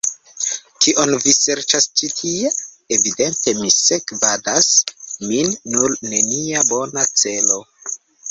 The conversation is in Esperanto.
Kion vi serĉas ĉi tie? Evidente vi sekvadas nin kun nenia bona celo.